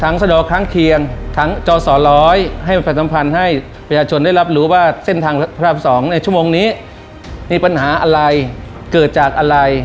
มีปัญหาอะไรเกิดจากอะไร